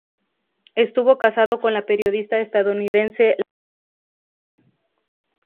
Estuvo casado con la periodista estadounidense Lara Marlowe.